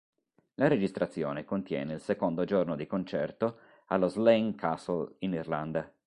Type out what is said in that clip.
La registrazione contiene il secondo giorno di concerto allo Slane Castle in Irlanda.